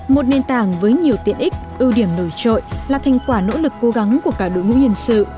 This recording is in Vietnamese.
một nền tảng với nhiều tiện ích ưu điểm nổi trội là thành quả nỗ lực cố gắng của cả đội ngũ nhân sự